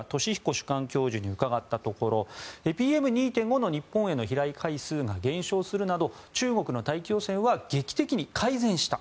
主幹教授に伺ったところＰＭ２．５の日本への飛来回数が減少するなど中国の大気汚染は劇的に改善した。